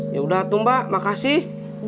yaudah tung pak makasih